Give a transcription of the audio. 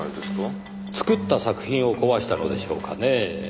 作った作品を壊したのでしょうかねぇ？